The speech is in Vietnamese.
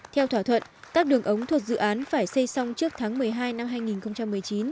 theo thỏa thuận các đường ống thuộc dự án phải xây xong trước tháng một mươi hai năm hai nghìn một mươi chín